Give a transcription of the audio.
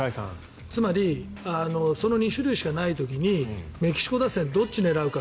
つまり、その２種類しかない時にメキシコ打線はどっち狙うか。